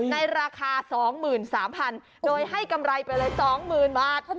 ในราคา๒๐๐๐๓๐๐๐โดยให้กำไรไปเลย๒๐๐๐บาท